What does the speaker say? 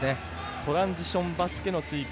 トランジションバスケの遂行。